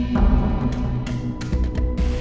kok cemburu sama michelle